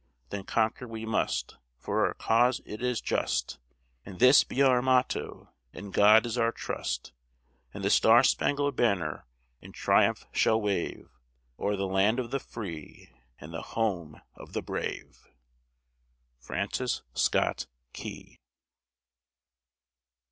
Then conquer we must, for our cause it is just, And this be our motto: "In God is our trust." And the star spangled banner in triumph shall wave O'er the land of the free and the home of the brave. FRANCIS SCOTT KEY.